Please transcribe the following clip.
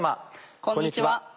こんにちは。